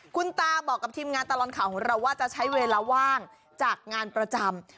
คุณตาบอกกับทีมงานตลอดข่าวของเราว่าจะใช้เวลาว่างจากงานประจำ